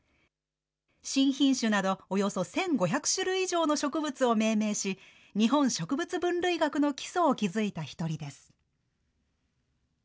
新品種などおよそ１５００種類以上の植物を命名し、日本植物分類学の基礎を築いた一人です。